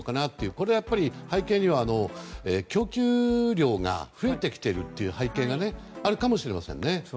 これはやっぱり背景には供給量が増えてきているという背景があるかもしれませんね。